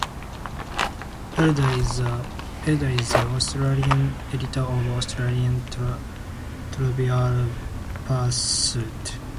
Elder is the Australasian editor of Australian Trivial Pursuit.